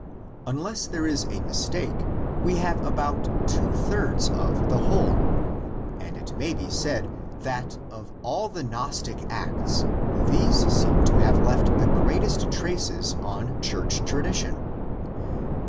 Unless there is a mistake, we have about two thirds of the whole, and it may be said that of all the Gnostic Acts these seem to have left the greatest traces on Church tradition.